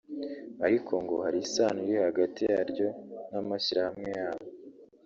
ariko ngo hari isano iri hagati yaryo n’amashyirahamwe yabo